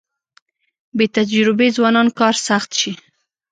بې تجربې ځوانان کار سخت شي.